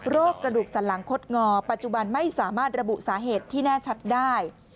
กระดูกสันหลังคดงอปัจจุบันไม่สามารถระบุสาเหตุที่แน่ชัดได้